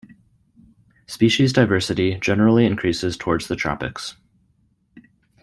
Species diversity generally increases towards the tropics.